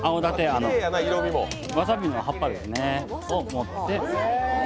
わさびの葉っぱを盛って。